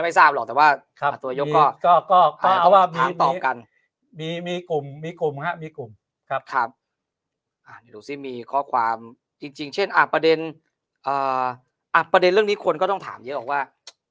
ไม่ไม่ทราบหรอกแต่ว่าตัวยกก็ก็อาวุธต่อกันมีกลุ่มมีกลุ่มกลุ่มเรื่องคนก็ต้องถามเยอะว่า